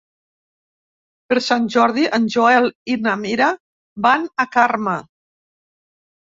Per Sant Jordi en Joel i na Mira van a Carme.